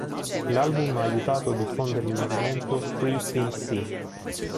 L'album ha aiutato a diffondere il movimento "Free Pimp C".